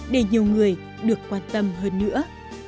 để nhiều người được quan tâm hơn nữa